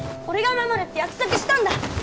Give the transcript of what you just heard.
俺が守るって約束したんだ！